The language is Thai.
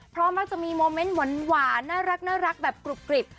เพราะมักจะมีโมเมนต์หวานน่ารักแบบกรุบกริบ